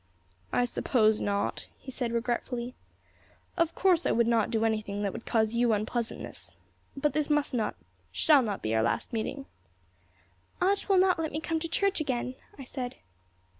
"I suppose not," he said regretfully. "Of course I would not do anything that would cause you unpleasantness. But this must not shall not be our last meeting." "Aunt will not let me come to church again," I said.